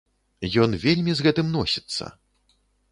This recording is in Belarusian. Ён вельмі з гэтым носіцца!